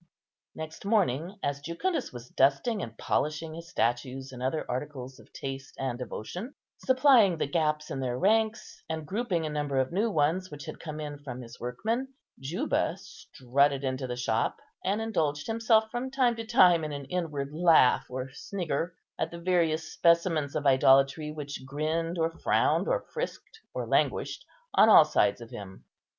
Next morning, as Jucundus was dusting and polishing his statues and other articles of taste and devotion, supplying the gaps in their ranks, and grouping a number of new ones which had come in from his workmen, Juba strutted into the shop, and indulged himself from time to time in an inward laugh or snigger at the various specimens of idolatry which grinned or frowned or frisked or languished on all sides of him.